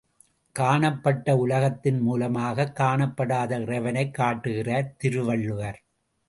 காணப்பட்ட உலகத்தின் மூலமாகக் காணப்படாத இறைவனைக் காட்டுகிறார் திருவள்ளுவர்.